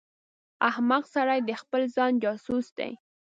احمق سړی د خپل ځان جاسوس دی.